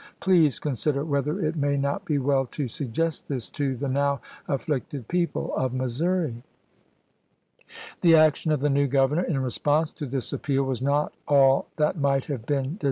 Please consider whether it may not be well to suggest this to the now afflicted people of Missouri. The action of the new Governor in response to this appeal was not all that might have been de Mc Pherson, " History of the Rebelliou,' p.